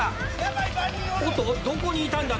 おっとどこにいたんだ？